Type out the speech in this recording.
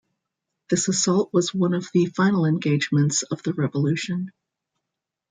This assault was one of the final engagements of the Revolution.